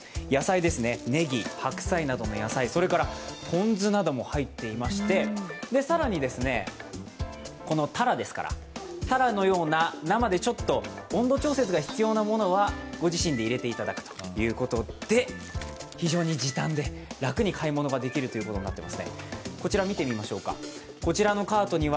ねぎ、白菜などの野菜、それからポン酢なども入っていまして更に、このたらですから、たらのような生でちょっと温度調節が必要なものはご自身で入れていただくということで、非常に時短で楽に買い物ができるということになっています。